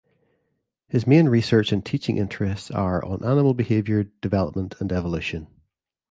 His main research and teaching interests are on animal behaviour, development, and evolution.